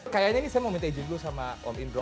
kayaknya ini saya mau minta izin dulu sama om indro